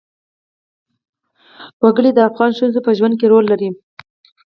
وګړي د افغان ښځو په ژوند کې رول لري.